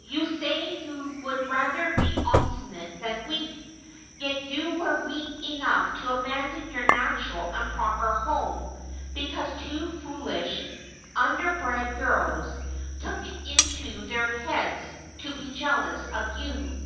You say you would rather be obstinate than weak ; yet you were weak enough to abandon your natural and proper home because two foolish, underbred girls took it into their heads to be jealous of you.'